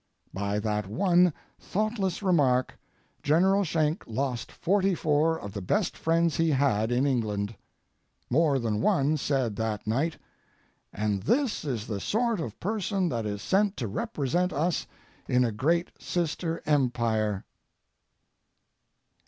By that one thoughtless remark General Schenck lost forty four of the best friends he had in England. More than one said that night: "And this is the sort of person that is sent to represent us in a great sister empire!"